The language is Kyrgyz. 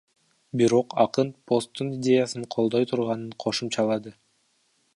Бирок акын посттун идеясын колдой турганын кошумчалады.